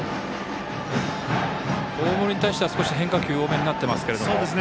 大森に対しては変化球多めになっていますけども。